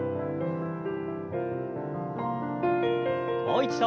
もう一度。